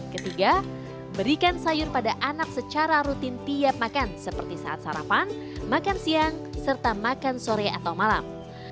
ketiga berikan sayur pada anak secara rutin tiap makan seperti saat sarapan makan siang serta makan sore atau malam